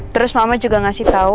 terus mama juga ngasih tahu